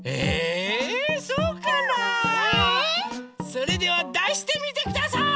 それではだしてみてください！